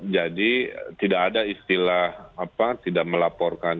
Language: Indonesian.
jadi tidak ada istilah tidak melaporkan